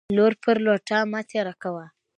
لور پر لوټه مه تيره کوه.